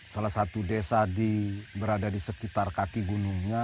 yang ada di sekitar kaki gunungnya